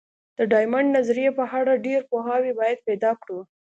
د ډایمونډ نظریې په اړه ډېر پوهاوی باید پیدا کړو.